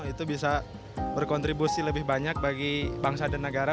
itu bisa berkontribusi lebih banyak bagi bangsa dan negara